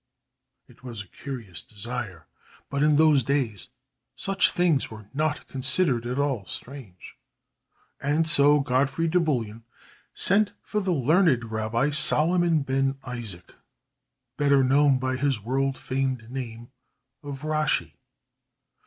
It was a curious desire, but in those days such things were not considered at all strange, and so Godfrey de Bouillon sent for the learned Rabbi Solomon ben Isaac, better known by his world famed name of Rashi.